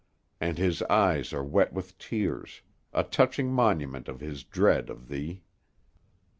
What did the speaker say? And his eyes are wet with tears; a touching monument of his dread of thee!